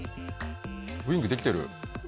ウインクできてる。